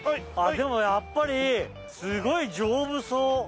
でもやっぱりすごい丈夫そう！